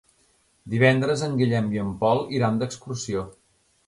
Divendres en Guillem i en Pol iran d'excursió.